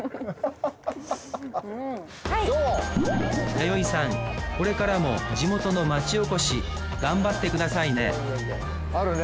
弥生さんこれからも地元の町おこし頑張ってくださいねあるね